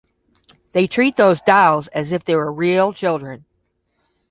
They treat these dolls as if they were real children.